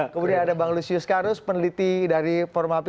kemudian ada bang lucius karus peneliti dari forum api